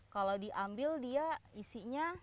kalau diambil dia isinya